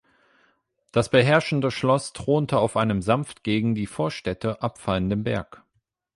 Das beherrschende Schloss thronte auf einem sanft gegen die Vorstädte abfallenden Berg.